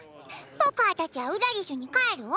ぽこあたちはウラリスに帰るぉ。